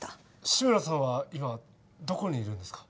志村さんは今どこにいるんですか？